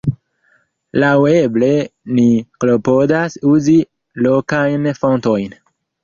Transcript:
Laŭeble ni klopodas uzi lokajn fontojn.